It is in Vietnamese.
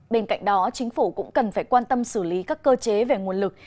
bên cạnh đó chính phủ cũng cần phải quan tâm xử lý các cơ chế về nguồn lực